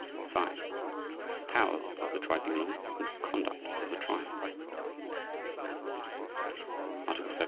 V. POWERS OF THE TRIBUNAL AND CONDUCT OF THE TRIAL _Article 17.